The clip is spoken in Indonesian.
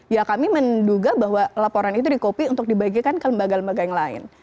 ya kami menduga bahwa laporan itu di copy untuk dibagikan ke lembaga lembaga yang lain